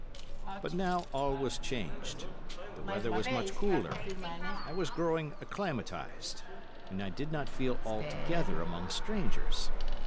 But now all was changed. The weather was much cooler; I was growing acclimatised, and I did not feel altogether among strangers.